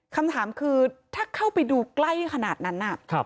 คำถามคือถ้าเข้าไปดูใกล้ขนาดนั้น